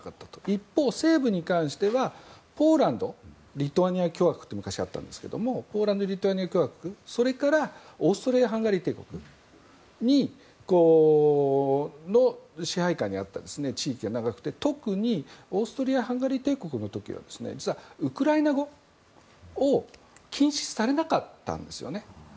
一方、西部に関してはポーランド・リトアニア共和国っていうのが昔あったんですがポーランド・リトアニア共和国それからオーストリア・ハンガリー帝国この支配下にあった時期が長くて特にオーストリア・ハンガリー帝国の時は実は、ウクライナ語を禁止されなかったんですね。